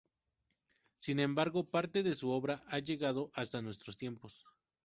Sin embargo, parte de su obra ha llegado hasta nuestros tiempos.